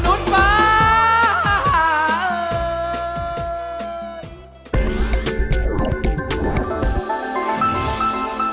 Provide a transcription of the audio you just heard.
ขอบคุณกับจินมากค่ะ